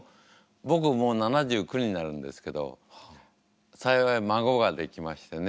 僕もう７９になるんですけど幸い孫ができましてね。